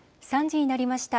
３時になりました。